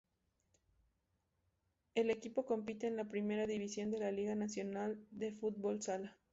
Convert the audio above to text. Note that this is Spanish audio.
El equipo compite en la primera división de la Liga Nacional de Fútbol Sala.